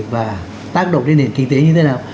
và tác động đến nền kinh tế như thế nào